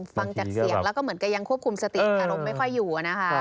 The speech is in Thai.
ฟังจากเสียงแล้วก็เหมือนกับยังควบคุมสติอารมณ์ไม่ค่อยอยู่นะคะ